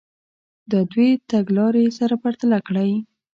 دا دوې تګ لارې سره پرتله کړئ.